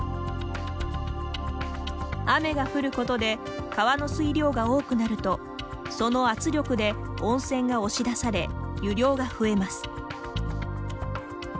雨が降ることで川の水量が多くなるとその圧力で温泉が押し出され湯量が増えます。